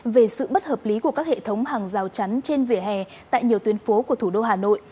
về sự bất hợp lý của các hệ thống hàng rào chắn trên vỉa hè tại nhiều tuyến phố của thủ đô hà nội